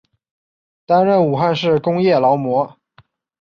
担任武汉市工业劳模。